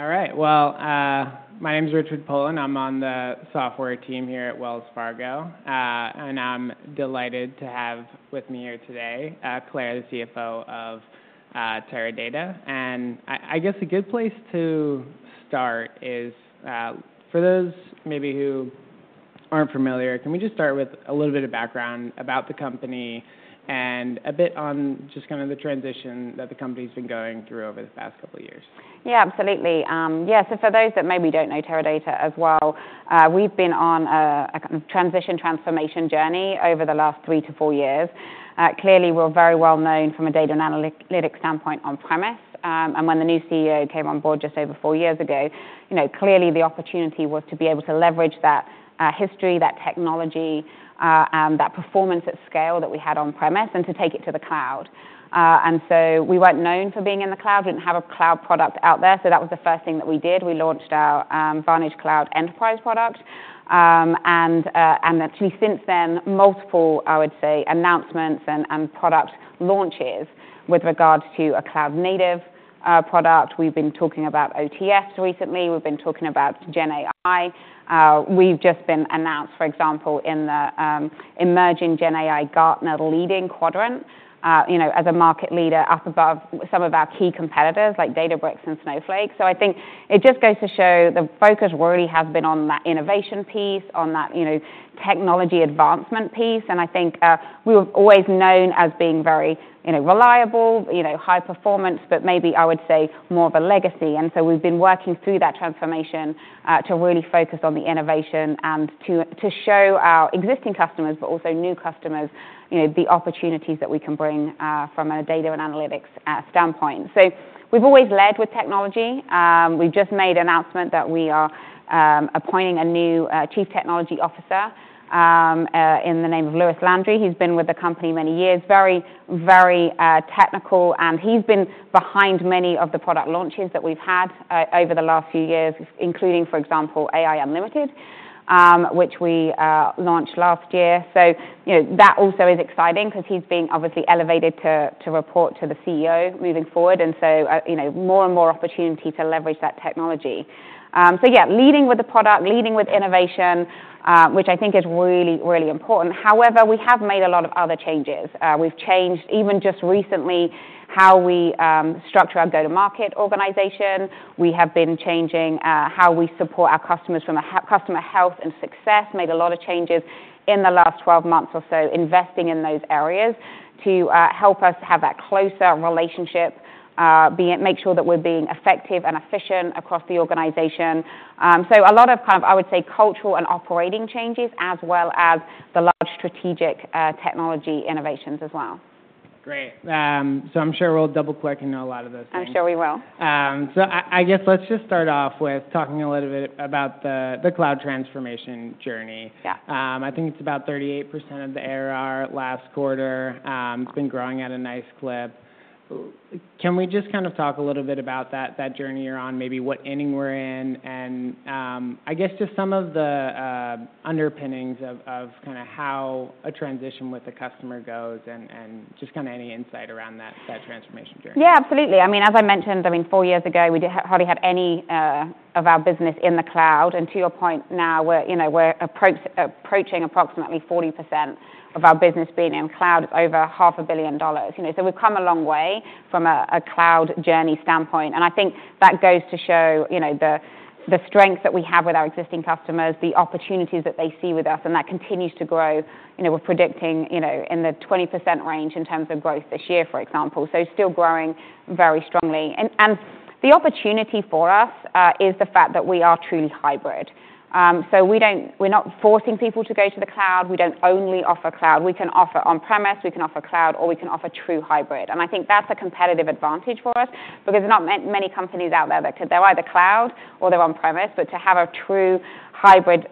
All right, well, my name is Richard Poland. I'm on the software team here at Wells Fargo, and I'm delighted to have with me here today Claire, the CFO of Teradata, and I guess a good place to start is, for those maybe who aren't familiar, can we just start with a little bit of background about the company and a bit on just kind of the transition that the company's been going through over the past couple of years? Yeah, absolutely. Yeah, so for those that maybe don't know Teradata as well, we've been on a kind of transition transformation journey over the last three to four years. Clearly, we're very well known from a data and analytics standpoint on-premise, and when the new CEO came on board just over four years ago, clearly the opportunity was to be able to leverage that history, that technology, and that performance at scale that we had on-premise and to take it to the cloud. And so we weren't known for being in the cloud. We didn't have a cloud product out there, so that was the first thing that we did. We launched our VantageCloud Enterprise product. And actually since then, multiple, I would say, announcements and product launches with regards to a cloud-native product. We've been talking about OTFs recently. We've been talking about GenAI. We've just been announced, for example, in the emerging GenAI Gartner Magic Quadrant as a market leader up above some of our key competitors like Databricks and Snowflake, so I think it just goes to show the focus really has been on that innovation piece, on that technology advancement piece. I think we were always known as being very reliable, high performance, but maybe I would say more of a legacy, and so we've been working through that transformation to really focus on the innovation and to show our existing customers, but also new customers, the opportunities that we can bring from a data and analytics standpoint. We've always led with technology. We've just made announcement that we are appointing a new Chief Technology Officer in the name of Louis Landry. He's been with the company many years, very, very technical. And he's been behind many of the product launches that we've had over the last few years, including, for example, AI Unlimited, which we launched last year. So that also is exciting because he's being obviously elevated to report to the CEO moving forward. And so more and more opportunity to leverage that technology. So yeah, leading with the product, leading with innovation, which I think is really, really important. However, we have made a lot of other changes. We've changed even just recently how we structure our go-to-market organization. We have been changing how we support our customers from a customer health and success, made a lot of changes in the last 12 months or so investing in those areas to help us have that closer relationship, make sure that we're being effective and efficient across the organization. A lot of kind of, I would say, cultural and operating changes as well as the large strategic technology innovations as well. Great, so I'm sure we'll double-click into a lot of those things. I'm sure we will. I guess let's just start off with talking a little bit about the cloud transformation journey. I think it's about 38% of the ARR last quarter. It's been growing at a nice clip. Can we just kind of talk a little bit about that journey you're on, maybe what inning we're in, and I guess just some of the underpinnings of kind of how a transition with the customer goes and just kind of any insight around that transformation journey. Yeah, absolutely. I mean, as I mentioned, I mean, four years ago, we hardly had any of our business in the cloud. And to your point, now we're approaching approximately 40% of our business being in cloud. It's over $500 million. So we've come a long way from a cloud journey standpoint. And I think that goes to show the strength that we have with our existing customers, the opportunities that they see with us, and that continues to grow. We're predicting in the 20% range in terms of growth this year, for example. So still growing very strongly. And the opportunity for us is the fact that we are truly hybrid. So we're not forcing people to go to the cloud. We don't only offer cloud. We can offer on-premise, we can offer cloud, or we can offer true hybrid. I think that's a competitive advantage for us because there are not many companies out there that could. They're either cloud or they're on-premise. To have a true hybrid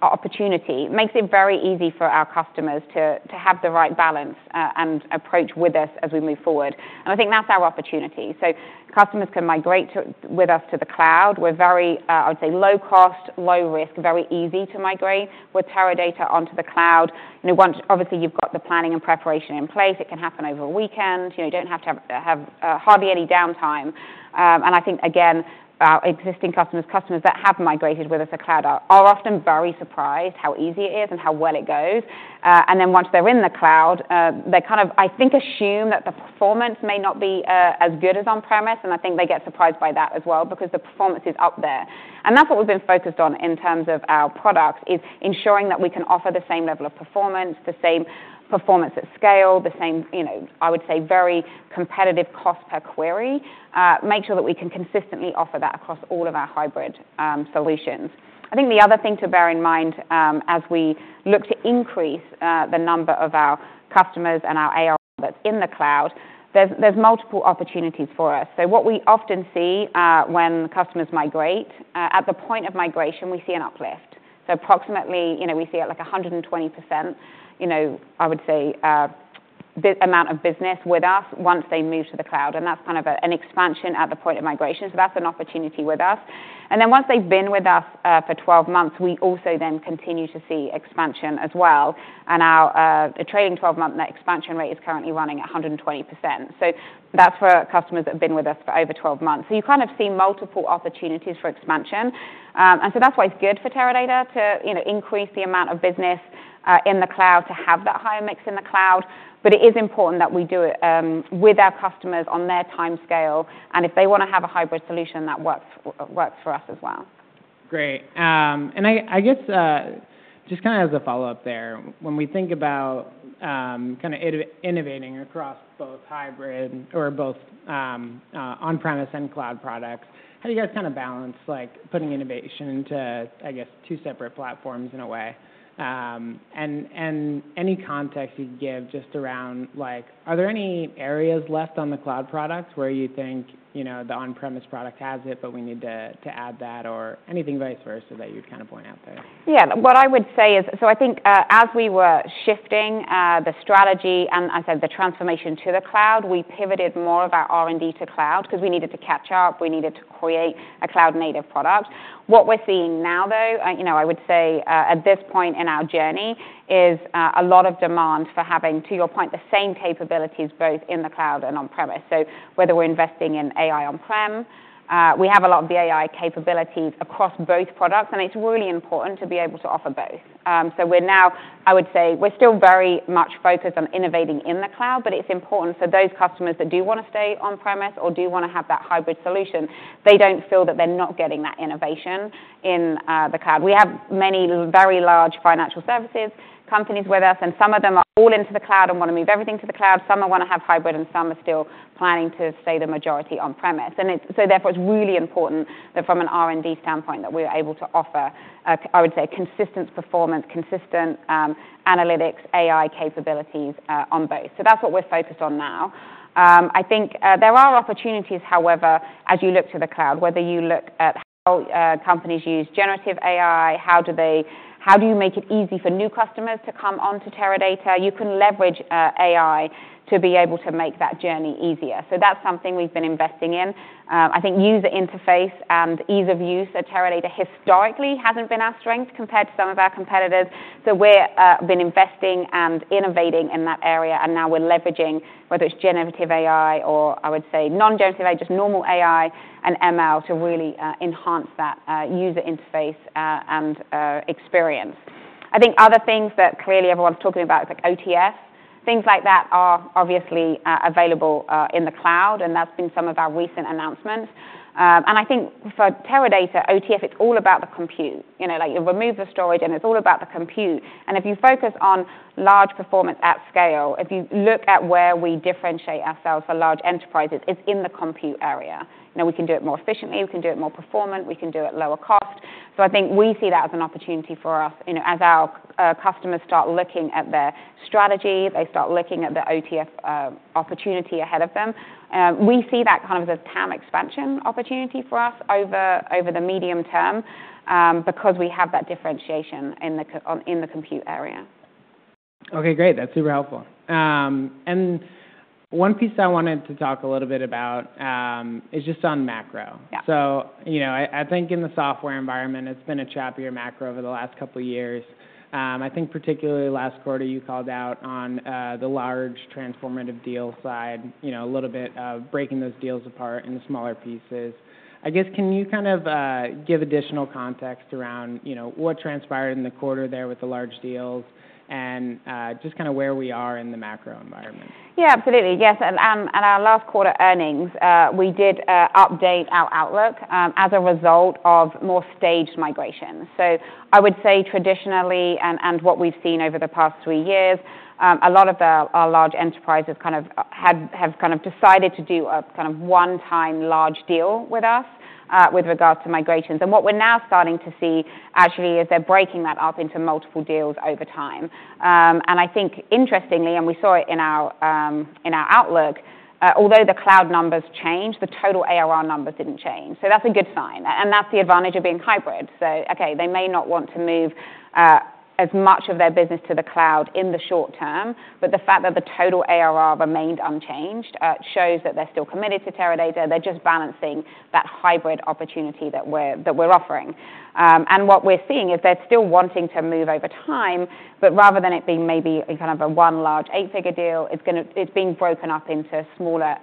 opportunity makes it very easy for our customers to have the right balance and approach with us as we move forward. I think that's our opportunity. Customers can migrate with us to the cloud. We're very, I would say, low cost, low risk, very easy to migrate. With Teradata onto the cloud, obviously you've got the planning and preparation in place. It can happen over a weekend. You don't have to have hardly any downtime. I think, again, our existing customers, customers that have migrated with us to cloud are often very surprised how easy it is and how well it goes. And then once they're in the cloud, they kind of, I think, assume that the performance may not be as good as on-premise. And I think they get surprised by that as well because the performance is up there. And that's what we've been focused on in terms of our products is ensuring that we can offer the same level of performance, the same performance at scale, the same, I would say, very competitive cost per query, make sure that we can consistently offer that across all of our hybrid solutions. I think the other thing to bear in mind as we look to increase the number of our customers and our AR that's in the cloud, there's multiple opportunities for us. So what we often see when customers migrate, at the point of migration, we see an uplift. Approximately we see at like 120%, I would say, the amount of business with us once they move to the cloud. And that's kind of an expansion at the point of migration. So that's an opportunity with us. And then once they've been with us for 12 months, we also then continue to see expansion as well. And our trailing 12-month expansion rate is currently running at 120%. So that's for customers that have been with us for over 12 months. So you kind of see multiple opportunities for expansion. And so that's why it's good for Teradata to increase the amount of business in the cloud to have that higher mix in the cloud. But it is important that we do it with our customers on their time scale. And if they want to have a hybrid solution, that works for us as well. Great, and I guess just kind of as a follow-up there, when we think about kind of innovating across both hybrid or both on-premise and cloud products, how do you guys kind of balance putting innovation into, I guess, two separate platforms in a way, and any context you can give just around, are there any areas left on the cloud products where you think the on-premise product has it, but we need to add that or anything vice versa that you'd kind of point out there? Yeah, what I would say is, so I think as we were shifting the strategy and I said the transformation to the cloud, we pivoted more of our R&D to cloud because we needed to catch up. We needed to create a cloud-native product. What we're seeing now, though, I would say at this point in our journey is a lot of demand for having, to your point, the same capabilities both in the cloud and on-premise. So whether we're investing in AI on-prem, we have a lot of the AI capabilities across both products. And it's really important to be able to offer both. So we're now, I would say, we're still very much focused on innovating in the cloud, but it's important for those customers that do want to stay on-premise or do want to have that hybrid solution, they don't feel that they're not getting that innovation in the cloud. We have many very large financial services companies with us. And some of them are all into the cloud and want to move everything to the cloud. Some of them want to have hybrid, and some are still planning to stay the majority on-premise. And so therefore, it's really important that from an R&D standpoint that we're able to offer, I would say, consistent performance, consistent analytics, AI capabilities on both. So that's what we're focused on now. I think there are opportunities, however, as you look to the cloud, whether you look at how companies use generative AI. How do you make it easy for new customers to come on to Teradata? You can leverage AI to be able to make that journey easier. So that's something we've been investing in. I think user interface and ease of use at Teradata historically hasn't been our strength compared to some of our competitors. So we've been investing and innovating in that area. And now we're leveraging whether it's generative AI or I would say non-generative AI, just normal AI and ML to really enhance that user interface and experience. I think other things that clearly everyone's talking about is OTFs. Things like that are obviously available in the cloud. And that's been some of our recent announcements. And I think for Teradata, OTFs, it's all about the compute. You remove the storage, and it's all about the compute. And if you focus on large performance at scale, if you look at where we differentiate ourselves for large enterprises, it's in the compute area. We can do it more efficiently. We can do it more performant. We can do it lower cost. So I think we see that as an opportunity for us. As our customers start looking at their strategy, they start looking at the OTFs opportunity ahead of them. We see that kind of as a TAM expansion opportunity for us over the medium term because we have that differentiation in the compute area. Okay, great. That's super helpful. And one piece I wanted to talk a little bit about is just on macro. So I think in the software environment, it's been a choppier macro over the last couple of years. I think particularly last quarter, you called out on the large transformative deal side, a little bit of breaking those deals apart into smaller pieces. I guess, can you kind of give additional context around what transpired in the quarter there with the large deals and just kind of where we are in the macro environment? Yeah, absolutely. Yes. And our last quarter earnings, we did update our outlook as a result of more staged migrations. So I would say traditionally and what we've seen over the past three years, a lot of our large enterprises kind of have kind of decided to do a kind of one-time large deal with us with regards to migrations. And what we're now starting to see actually is they're breaking that up into multiple deals over time. And I think interestingly, and we saw it in our outlook, although the cloud numbers changed, the total ARR numbers didn't change. So that's a good sign. And that's the advantage of being hybrid. So okay, they may not want to move as much of their business to the cloud in the short term, but the fact that the total ARR remained unchanged shows that they're still committed to Teradata. They're just balancing that hybrid opportunity that we're offering. And what we're seeing is they're still wanting to move over time, but rather than it being maybe kind of a one large eight-figure deal, it's being broken up into smaller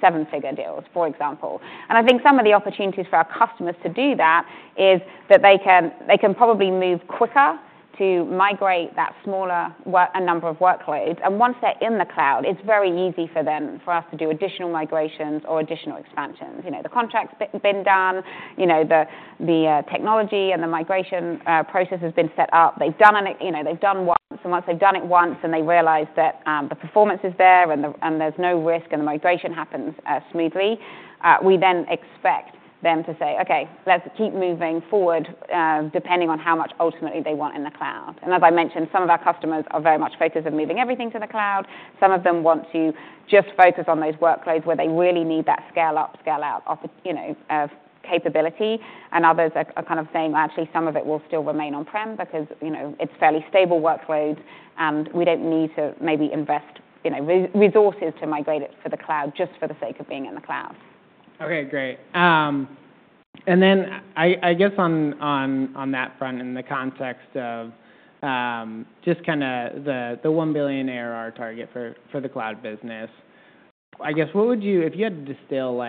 seven-figure deals, for example. And I think some of the opportunities for our customers to do that is that they can probably move quicker to migrate that smaller number of workloads. And once they're in the cloud, it's very easy for us to do additional migrations or additional expansions. The contract's been done. The technology and the migration process has been set up. They've done once. And once they've done it once and they realize that the performance is there and there's no risk and the migration happens smoothly, we then expect them to say, okay, let's keep moving forward depending on how much ultimately they want in the cloud. As I mentioned, some of our customers are very much focused on moving everything to the cloud. Some of them want to just focus on those workloads where they really need that scale up, scale out capability. Others are kind of saying, actually, some of it will still remain on-prem because it's fairly stable workloads. We don't need to maybe invest resources to migrate it for the cloud just for the sake of being in the cloud. Okay, great. And then I guess on that front, in the context of just kind of the 1 billion ARR target for the cloud business, I guess what would you, if you had to distill,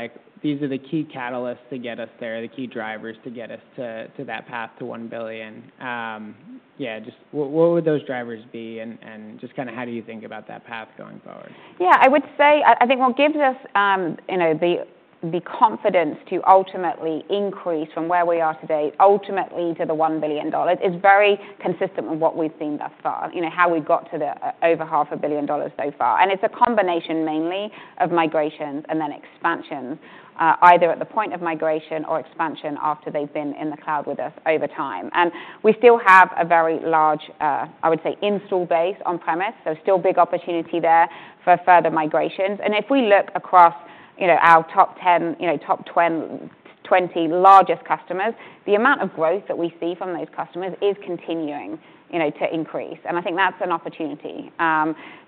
these are the key catalysts to get us there, the key drivers to get us to that path to 1 billion. Yeah, just what would those drivers be and just kind of how do you think about that path going forward? Yeah, I would say I think what gives us the confidence to ultimately increase from where we are today ultimately to the $1 billion is very consistent with what we've seen thus far, how we got to over $500 million so far. And it's a combination mainly of migrations and then expansions, either at the point of migration or expansion after they've been in the cloud with us over time. And we still have a very large, I would say, install base on-premise. So still big opportunity there for further migrations. And if we look across our top 10, top 20 largest customers, the amount of growth that we see from those customers is continuing to increase. And I think that's an opportunity.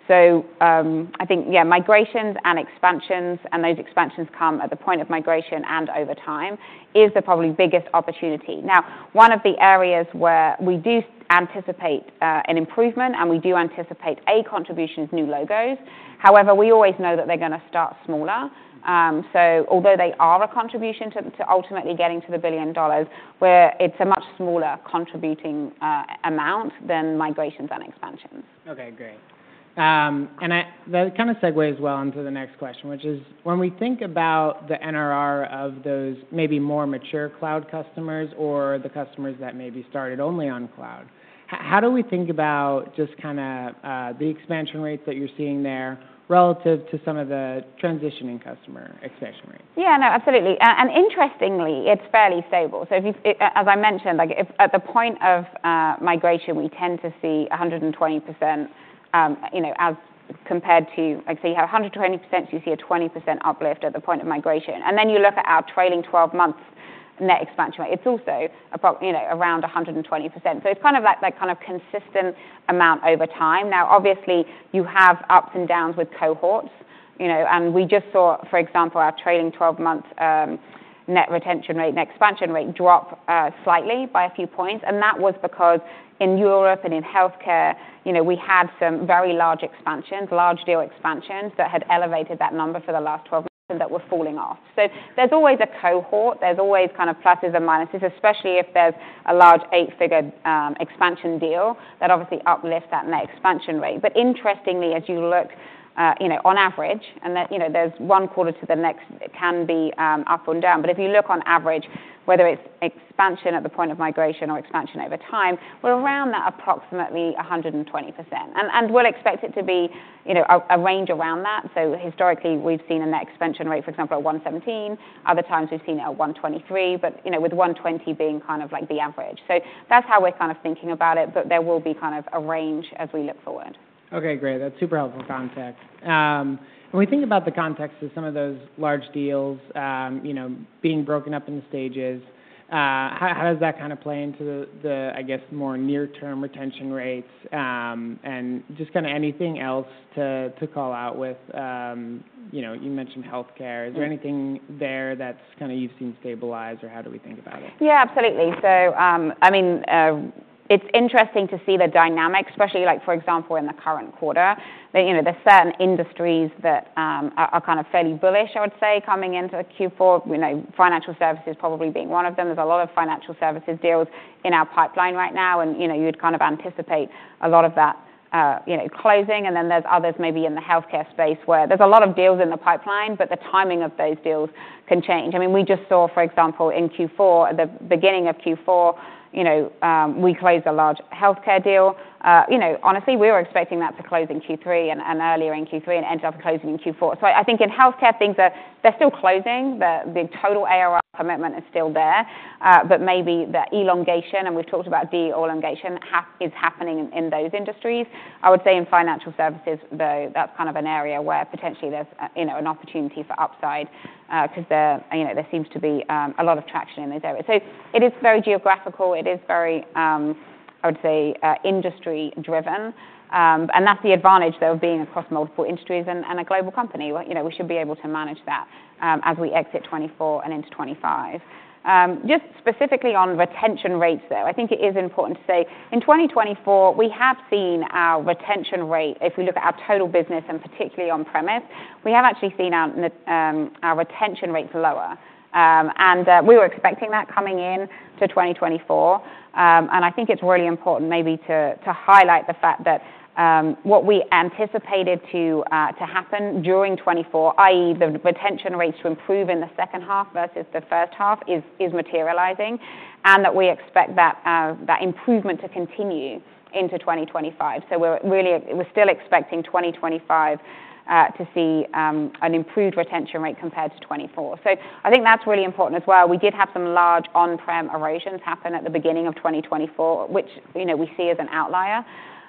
So I think, yeah, migrations and expansions and those expansions come at the point of migration and over time is the probably biggest opportunity. Now, one of the areas where we do anticipate an improvement and we do anticipate a contribution is new logos. However, we always know that they're going to start smaller. So although they are a contribution to ultimately getting to the billion dollars, it's a much smaller contributing amount than migrations and expansions. Okay, great. And that kind of segues well into the next question, which is when we think about the NRR of those maybe more mature cloud customers or the customers that maybe started only on cloud, how do we think about just kind of the expansion rate that you're seeing there relative to some of the transitioning customer expansion rates? Yeah, no, absolutely. And interestingly, it's fairly stable. So as I mentioned, at the point of migration, we tend to see 120% as compared to, so you have 120%, you see a 20% uplift at the point of migration. And then you look at our trailing 12 months net expansion rate. It's also around 120%. So it's kind of that kind of consistent amount over time. Now, obviously, you have ups and downs with cohorts. And we just saw, for example, our trailing 12-month net retention rate, net expansion rate drop slightly by a few points. And that was because in Europe and in healthcare, we had some very large expansions, large deal expansions that had elevated that number for the last 12 months and that were falling off. So there's always a cohort. There's always kind of pluses and minuses, especially if there's a large eight-figure expansion deal that obviously uplifts that net expansion rate. But interestingly, as you look on average, and there's one quarter to the next, it can be up and down. But if you look on average, whether it's expansion at the point of migration or expansion over time, we're around that approximately 120%. And we'll expect it to be a range around that. So historically, we've seen a net expansion rate, for example, at 117%. Other times we've seen it at 123%, but with 120% being kind of like the average. So that's how we're kind of thinking about it. But there will be kind of a range as we look forward. Okay, great. That's super helpful context. When we think about the context of some of those large deals being broken up into stages, how does that kind of play into the, I guess, more near-term retention rates and just kind of anything else to call out with? You mentioned healthcare. Is there anything there that's kind of you've seen stabilize or how do we think about it? Yeah, absolutely. So I mean, it's interesting to see the dynamic, especially like, for example, in the current quarter. There's certain industries that are kind of fairly bullish, I would say, coming into Q4, financial services probably being one of them. There's a lot of financial services deals in our pipeline right now. And you'd kind of anticipate a lot of that closing. And then there's others maybe in the healthcare space where there's a lot of deals in the pipeline, but the timing of those deals can change. I mean, we just saw, for example, in Q4, at the beginning of Q4, we closed a large healthcare deal. Honestly, we were expecting that to close in Q3 and earlier in Q3 and ended up closing in Q4. So I think in healthcare, things are still closing. The total ARR commitment is still there, but maybe the elongation, and we've talked about deal elongation, is happening in those industries. I would say in financial services, though, that's kind of an area where potentially there's an opportunity for upside because there seems to be a lot of traction in those areas. So it is very geographical. It is very, I would say, industry-driven. And that's the advantage, though, of being across multiple industries and a global company. We should be able to manage that as we exit 2024 and into 2025. Just specifically on retention rates, though, I think it is important to say in 2024, we have seen our retention rate, if we look at our total business and particularly on-premise, we have actually seen our retention rates lower. And we were expecting that coming into 2024. And I think it's really important maybe to highlight the fact that what we anticipated to happen during 2024, i.e., the retention rates to improve in the second half versus the first half is materializing and that we expect that improvement to continue into 2025. So we're still expecting 2025 to see an improved retention rate compared to 2024. So I think that's really important as well. We did have some large on-prem erosions happen at the beginning of 2024, which we see as an outlier.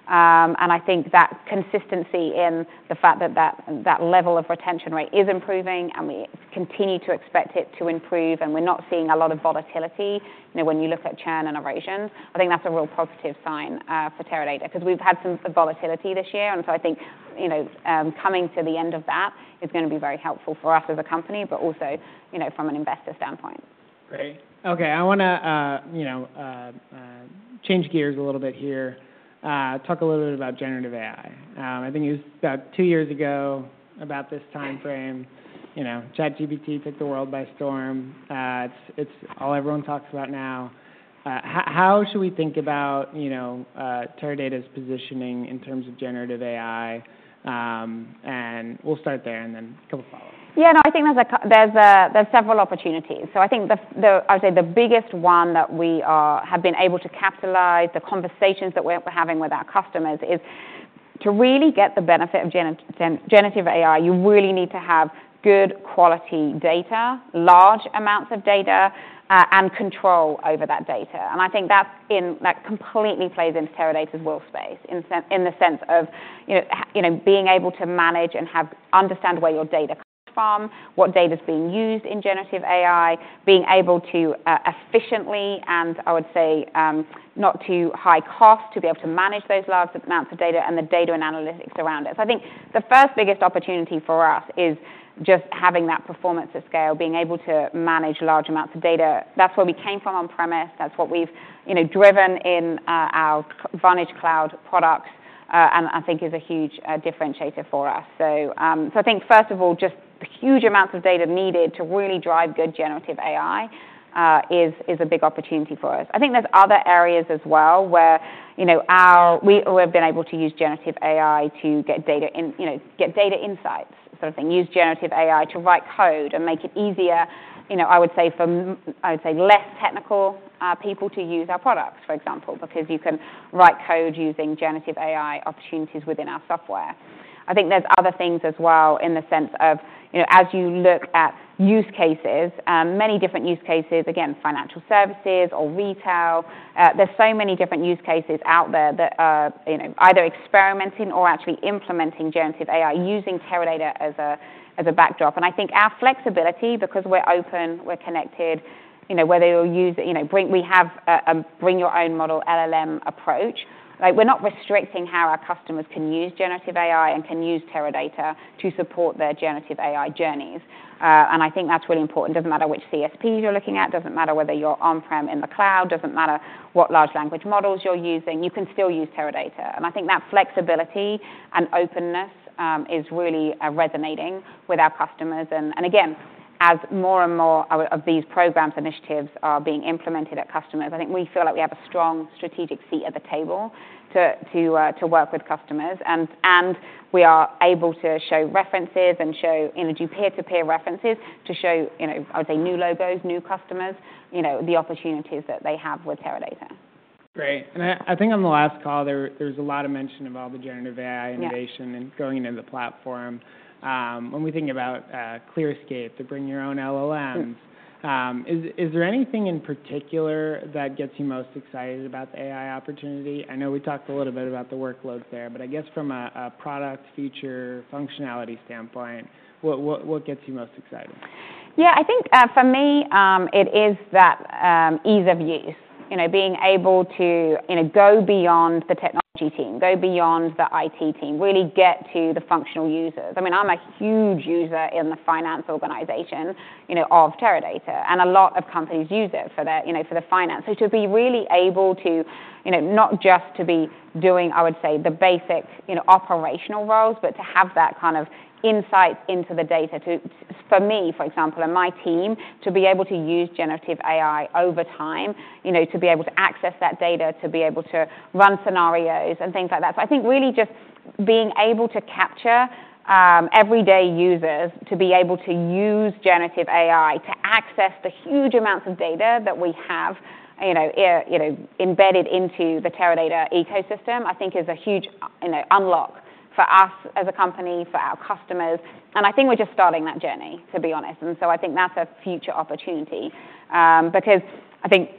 And I think that consistency in the fact that that level of retention rate is improving and we continue to expect it to improve and we're not seeing a lot of volatility when you look at churn and erosions, I think that's a real positive sign for Teradata because we've had some volatility this year. And so I think coming to the end of that is going to be very helpful for us as a company, but also from an investor standpoint. Great. Okay, I want to change gears a little bit here, talk a little bit about generative AI. I think it was about two years ago, about this time frame, ChatGPT took the world by storm. It's all everyone talks about now. How should we think about Teradata's positioning in terms of generative AI? And we'll start there and then a couple of follow-ups. Yeah, no, I think there's several opportunities. So I think, I would say, the biggest one that we have been able to capitalize, the conversations that we're having with our customers is to really get the benefit of generative AI, you really need to have good quality data, large amounts of data, and control over that data. And I think that completely plays into Teradata's wheelhouse in the sense of being able to manage and understand where your data comes from, what data is being used in generative AI, being able to efficiently and, I would say, not too high cost to be able to manage those large amounts of data and the data and analytics around it. So I think the first biggest opportunity for us is just having that performance of scale, being able to manage large amounts of data. That's where we came from on-premise. That's what we've driven in our VantageCloud product, and I think is a huge differentiator for us. So I think, first of all, just the huge amounts of data needed to really drive good generative AI is a big opportunity for us. I think there's other areas as well where we have been able to use generative AI to get data insights, sort of thing, use generative AI to write code and make it easier, I would say, for, I would say, less technical people to use our products, for example, because you can write code using generative AI opportunities within our software. I think there's other things as well in the sense of as you look at use cases, many different use cases, again, financial services or retail, there's so many different use cases out there that are either experimenting or actually implementing generative AI using Teradata as a backdrop, and I think our flexibility, because we're open, we're connected, whether you'll use, we have a bring your own model LLM approach. We're not restricting how our customers can use generative AI and can use Teradata to support their generative AI journeys, and I think that's really important. It doesn't matter which CSPs you're looking at. It doesn't matter whether you're on-prem in the cloud. It doesn't matter what large language models you're using. You can still use Teradata, and I think that flexibility and openness is really resonating with our customers. And again, as more and more of these programs and initiatives are being implemented at customers, I think we feel like we have a strong strategic seat at the table to work with customers. And we are able to show references and show peer-to-peer references to show, I would say, new logos, new customers, the opportunities that they have with Teradata. Great, and I think on the last call, there was a lot of mention of all the generative AI innovation and going into the platform. When we think about ClearScape to bring your own LLMs, is there anything in particular that gets you most excited about the AI opportunity? I know we talked a little bit about the workloads there, but I guess from a product feature functionality standpoint, what gets you most excited? Yeah, I think for me, it is that ease of use, being able to go beyond the technology team, go beyond the IT team, really get to the functional users. I mean, I'm a huge user in the finance organization of Teradata. And a lot of companies use it for the finance. So to be really able to not just be doing, I would say, the basic operational roles, but to have that kind of insight into the data for me, for example, and my team to be able to use generative AI over time, to be able to access that data, to be able to run scenarios and things like that. So I think really just being able to capture everyday users to be able to use generative AI to access the huge amounts of data that we have embedded into the Teradata ecosystem, I think is a huge unlock for us as a company, for our customers. And I think we're just starting that journey, to be honest. And so I think that's a future opportunity because I think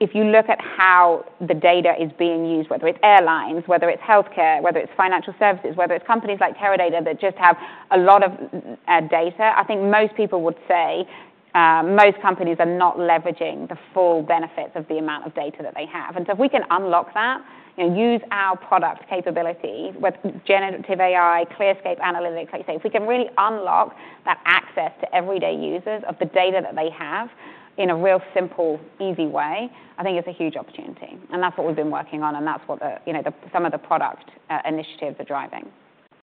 if you look at how the data is being used, whether it's airlines, whether it's healthcare, whether it's financial services, whether it's companies like Teradata that just have a lot of data, I think most people would say most companies are not leveraging the full benefits of the amount of data that they have. And so if we can unlock that, use our product capability with generative AI, ClearScape Analytics, like you say, if we can really unlock that access to everyday users of the data that they have in a real simple, easy way, I think it's a huge opportunity. And that's what we've been working on. And that's what some of the product initiatives are driving.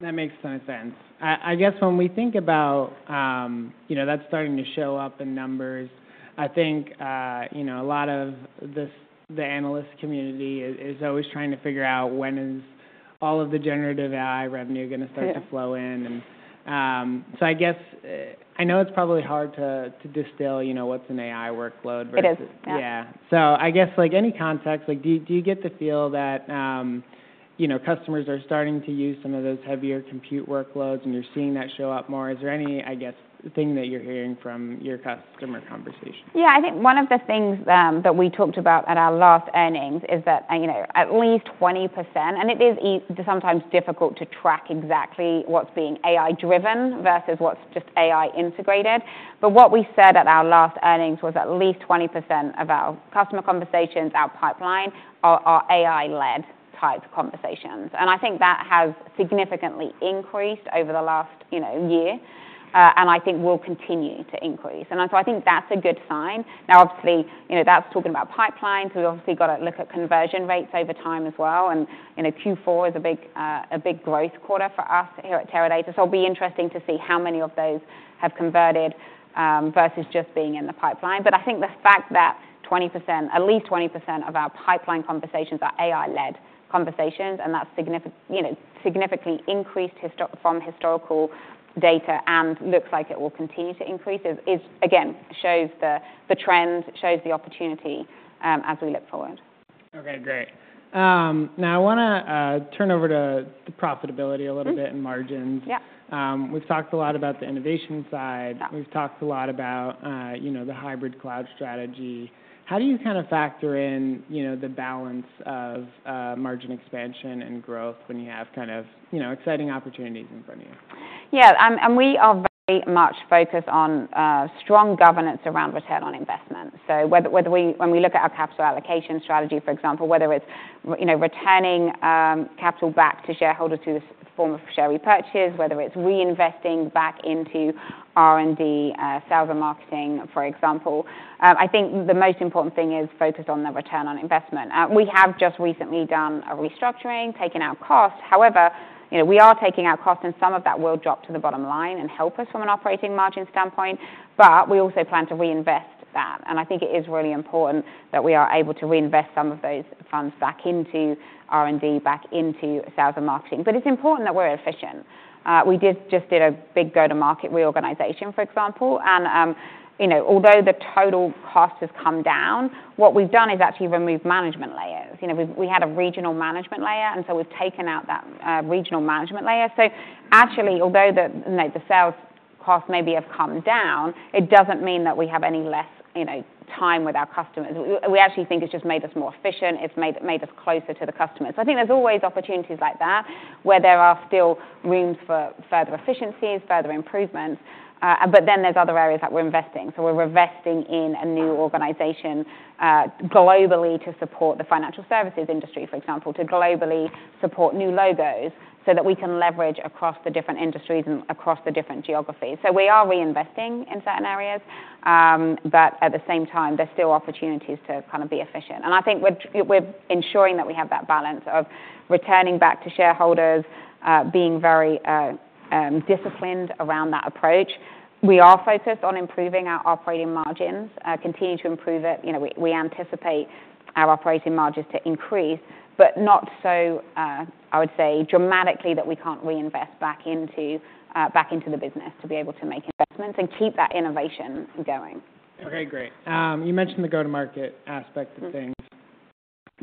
That makes so much sense. I guess when we think about that's starting to show up in numbers. I think a lot of the analyst community is always trying to figure out when is all of the generative AI revenue going to start to flow in, and so I guess I know it's probably hard to distill what's an AI workload. It is. Yeah. So I guess any context, do you get the feel that customers are starting to use some of those heavier compute workloads and you're seeing that show up more? Is there any, I guess, thing that you're hearing from your customer conversations? Yeah, I think one of the things that we talked about at our last earnings is that at least 20%, and it is sometimes difficult to track exactly what's being AI-driven versus what's just AI-integrated. But what we said at our last earnings was at least 20% of our customer conversations in our pipeline are AI-led type conversations. And I think that has significantly increased over the last year, and I think will continue to increase. And so I think that's a good sign. Now, obviously, that's talking about pipelines. We've obviously got to look at conversion rates over time as well. And Q4 is a big growth quarter for us here at Teradata. So it'll be interesting to see how many of those have converted versus just being in the pipeline. But I think the fact that at least 20% of our pipeline conversations are AI-led conversations, and that's significantly increased from historical data and looks like it will continue to increase, again, shows the trend, shows the opportunity as we look forward. Okay, great. Now I want to turn over to profitability a little bit and margins. We've talked a lot about the innovation side. We've talked a lot about the hybrid cloud strategy. How do you kind of factor in the balance of margin expansion and growth when you have kind of exciting opportunities in front of you? Yeah, and we are very much focused on strong governance around return on investment. So when we look at our capital allocation strategy, for example, whether it's returning capital back to shareholders through the form of share repurchase, whether it's reinvesting back into R&D, sales and marketing, for example, I think the most important thing is focus on the return on investment. We have just recently done a restructuring, taking out costs. However, we are taking out costs, and some of that will drop to the bottom line and help us from an operating margin standpoint, but we also plan to reinvest that. And I think it is really important that we are able to reinvest some of those funds back into R&D, back into sales and marketing. But it's important that we're efficient. We just did a big go-to-market reorganization, for example. Although the total cost has come down, what we've done is actually remove management layers. We had a regional management layer, and so we've taken out that regional management layer, so actually, although the sales costs maybe have come down, it doesn't mean that we have any less time with our customers. We actually think it's just made us more efficient. It's made us closer to the customers, so I think there's always opportunities like that where there are still rooms for further efficiencies, further improvements, but then there's other areas that we're investing, so we're investing in a new organization globally to support the financial services industry, for example, to globally support new logos so that we can leverage across the different industries and across the different geographies, so we are reinvesting in certain areas, but at the same time, there's still opportunities to kind of be efficient. And I think we're ensuring that we have that balance of returning back to shareholders, being very disciplined around that approach. We are focused on improving our operating margins, continue to improve it. We anticipate our operating margins to increase, but not so, I would say, dramatically that we can't reinvest back into the business to be able to make investments and keep that innovation going. Okay, great. You mentioned the go-to-market aspect of things.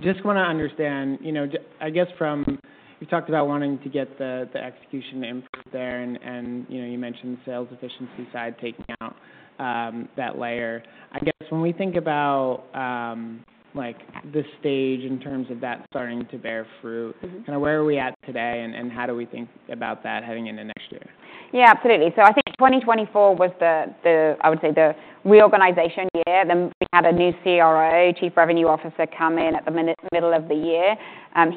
Just want to understand, I guess from you talked about wanting to get the execution improved there, and you mentioned the sales efficiency side taking out that layer. I guess when we think about the stage in terms of that starting to bear fruit, kind of where are we at today and how do we think about that heading into next year? Yeah, absolutely. So I think 2024 was the, I would say, the reorganization year. Then we had a new CRO, Chief Revenue Officer, come in at the middle of the year.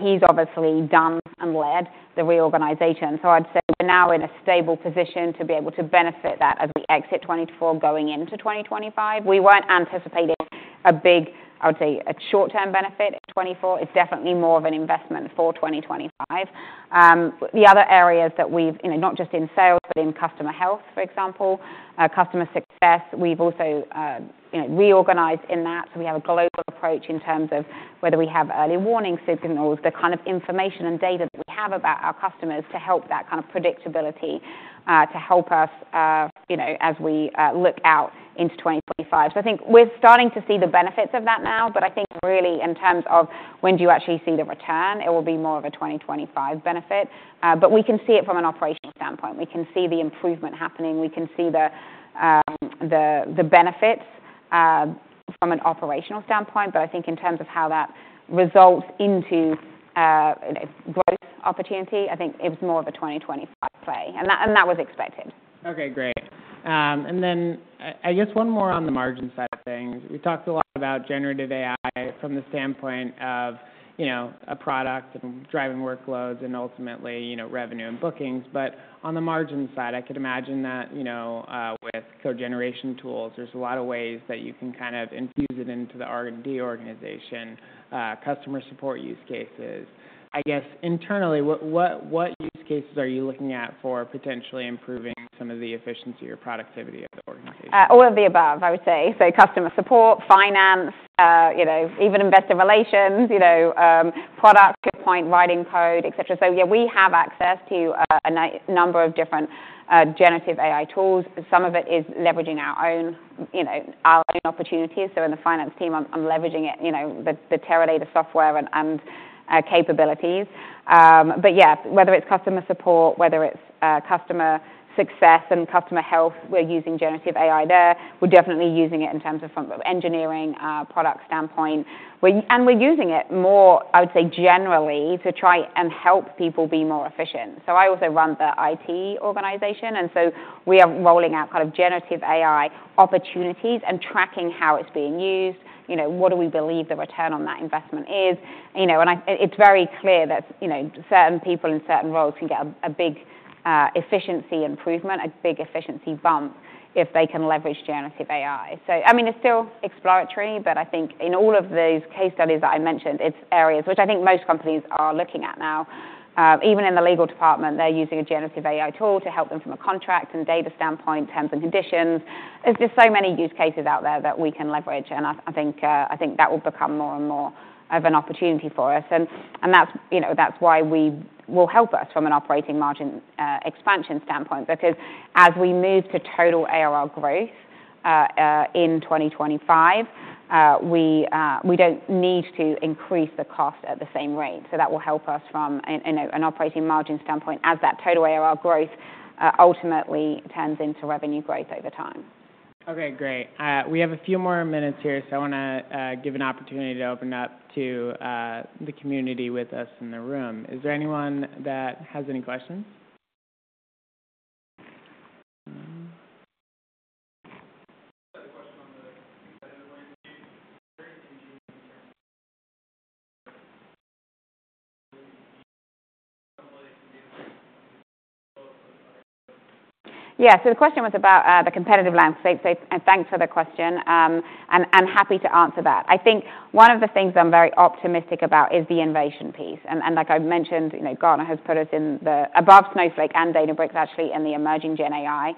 He's obviously done and led the reorganization. So I'd say we're now in a stable position to be able to benefit that as we exit 2024, going into 2025. We weren't anticipating a big, I would say, a short-term benefit in 2024. It's definitely more of an investment for 2025. The other areas that we've, not just in sales, but in customer health, for example, customer success, we've also reorganized in that. So we have a global approach in terms of whether we have early warning signals, the kind of information and data that we have about our customers to help that kind of predictability to help us as we look out into 2025. I think we're starting to see the benefits of that now, but I think really in terms of when do you actually see the return, it will be more of a 2025 benefit. But we can see it from an operational standpoint. We can see the improvement happening. We can see the benefits from an operational standpoint. But I think in terms of how that results into growth opportunity, I think it was more of a 2025 play, and that was expected. Okay, great. And then I guess one more on the margin side of things. We talked a lot about generative AI from the standpoint of a product and driving workloads and ultimately revenue and bookings. But on the margin side, I could imagine that with code generation tools, there's a lot of ways that you can kind of infuse it into the R&D organization, customer support use cases. I guess internally, what use cases are you looking at for potentially improving some of the efficiency or productivity of the organization? All of the above, I would say. So customer support, finance, even investor relations, product to point writing code, etc. So yeah, we have access to a number of different generative AI tools. Some of it is leveraging our own opportunities. So in the finance team, I'm leveraging the Teradata software and capabilities. But yeah, whether it's customer support, whether it's customer success and customer health, we're using generative AI there. We're definitely using it in terms of engineering product standpoint. And we're using it more, I would say, generally to try and help people be more efficient. So I also run the IT organization. And so we are rolling out kind of generative AI opportunities and tracking how it's being used. What do we believe the return on that investment is? It's very clear that certain people in certain roles can get a big efficiency improvement, a big efficiency bump if they can leverage generative AI. I mean, it's still exploratory, but I think in all of those case studies that I mentioned, it's areas which I think most companies are looking at now. Even in the legal department, they're using a generative AI tool to help them from a contract and data standpoint, terms and conditions. There's just so many use cases out there that we can leverage. I think that will become more and more of an opportunity for us. That's why we will help us from an operating margin expansion standpoint because as we move to total ARR growth in 2025, we don't need to increase the cost at the same rate. That will help us from an operating margin standpoint as that total ARR growth ultimately turns into revenue growth over time. Okay, great. We have a few more minutes here, so I want to give an opportunity to open up to the community with us in the room. Is there anyone that has any questions? Yeah, so the question was about the competitive landscape. So thanks for the question. And happy to answer that. I think one of the things I'm very optimistic about is the innovation piece. And like I mentioned, Gartner has put us above Snowflake and Databricks, actually, in the emerging GenAI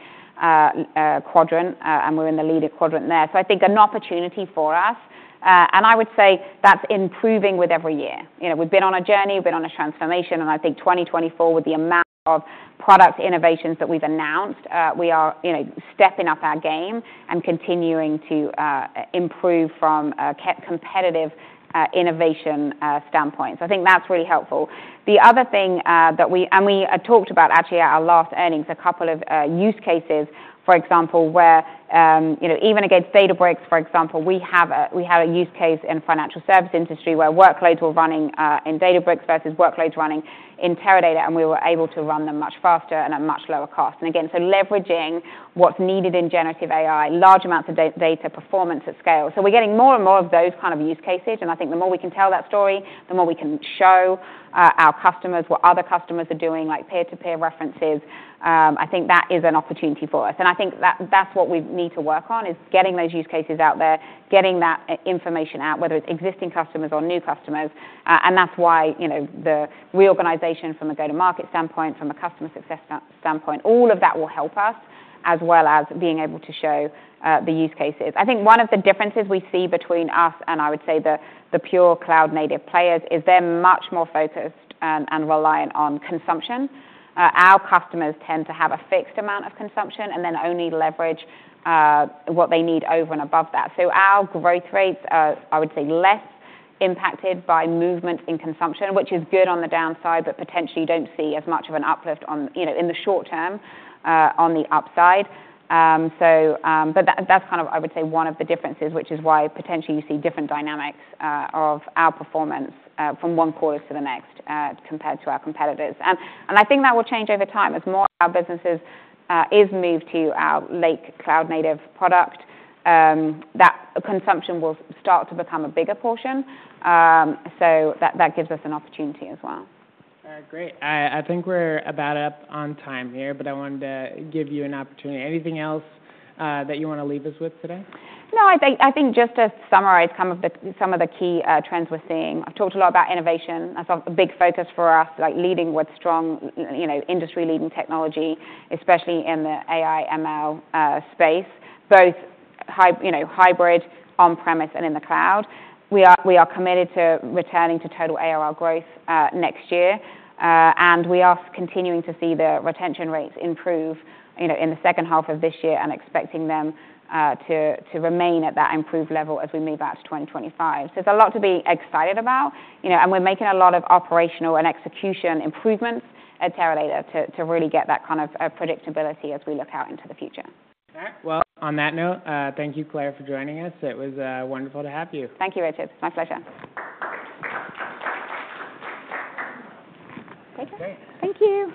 quadrant, and we're in the leading quadrant there. So I think an opportunity for us. And I would say that's improving with every year. We've been on a journey. We've been on a transformation. And I think 2024, with the amount of product innovations that we've announced, we are stepping up our game and continuing to improve from a competitive innovation standpoint. So I think that's really helpful. The other thing that we talked about actually at our last earnings, a couple of use cases, for example, where even against Databricks, for example, we had a use case in the financial services industry where workloads were running in Databricks versus workloads running in Teradata, and we were able to run them much faster and at much lower cost. And again, so leveraging what's needed in generative AI, large amounts of data, performance at scale. So we're getting more and more of those kind of use cases. And I think the more we can tell that story, the more we can show our customers what other customers are doing, like peer-to-peer references. I think that is an opportunity for us. And I think that's what we need to work on, is getting those use cases out there, getting that information out, whether it's existing customers or new customers. And that's why the reorganization from a go-to-market standpoint, from a customer success standpoint, all of that will help us as well as being able to show the use cases. I think one of the differences we see between us and, I would say, the pure cloud-native players is they're much more focused and reliant on consumption. Our customers tend to have a fixed amount of consumption and then only leverage what they need over and above that. So our growth rates are, I would say, less impacted by movement in consumption, which is good on the downside, but potentially you don't see as much of an uplift in the short term on the upside. But that's kind of, I would say, one of the differences, which is why potentially you see different dynamics of our performance from one quarter to the next compared to our competitors. And I think that will change over time as more of our businesses is moved to our Lake Cloud-native product, that consumption will start to become a bigger portion. So that gives us an opportunity as well. Great. I think we're about up on time here, but I wanted to give you an opportunity. Anything else that you want to leave us with today? No, I think just to summarize some of the key trends we're seeing. I've talked a lot about innovation. That's a big focus for us, leading with strong industry-leading technology, especially in the AI/ML space, both hybrid, on-premise, and in the cloud. We are committed to returning to total ARR growth next year. And we are continuing to see the retention rates improve in the second half of this year and expecting them to remain at that improved level as we move out to 2025. So there's a lot to be excited about. And we're making a lot of operational and execution improvements at Teradata to really get that kind of predictability as we look out into the future. On that note, thank you, Claire, for joining us. It was wonderful to have you. Thank you, Richard. It's my pleasure. Great. Thank you.